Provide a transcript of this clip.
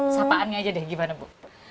sapaannya aja deh gimana bu